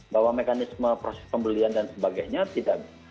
bahwa mekanisme proses pembelian dan sebagainya tidak